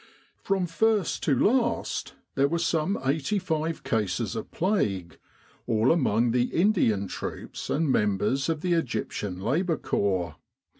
From first to last, there were some eighty five cases of plague, all among the Indian troops and members of the Egyptian Labour Corps.